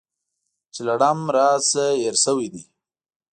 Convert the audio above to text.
چې لړم رانه هېر شوی دی .